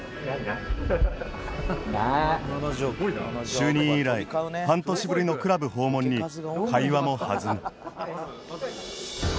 就任以来半年ぶりのクラブ訪問に会話も弾む